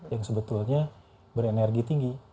yang sebetulnya berenergi tinggi